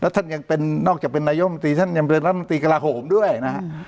ท่านยังเป็นนอกจากเป็นนายมตรีท่านยังเป็นรัฐมนตรีกระลาโหมด้วยนะฮะ